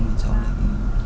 thì cháu nochmal